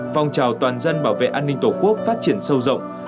phong trào toàn dân bảo vệ an ninh tổ quốc phát triển sâu rộng